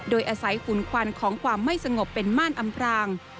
โดยอาศัยฝุ่นควันของความไม่สงบเป็นม่านอำพราง